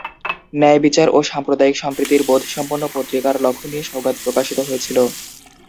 ন্যায়বিচার ও সাম্প্রদায়িক সম্প্রীতির বোধ সম্পন্ন পত্রিকার লক্ষ্য নিয়ে সওগাত প্রকাশিত হয়েছিল।